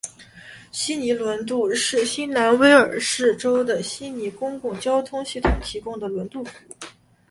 悉尼轮渡是新南威尔士州的悉尼公共交通系统提供的轮渡服务。